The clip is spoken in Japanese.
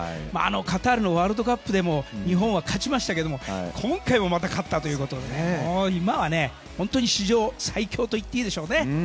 カタールのワールドカップでも日本は勝ちましたけど今回も勝ったということで今は本当に史上最強と言っていいでしょうね。